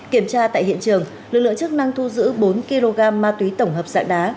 kiểm tra tại hiện trường lực lượng chức năng thu giữ bốn kg ma túy tổng hợp dạng đá